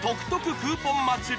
クーポン祭り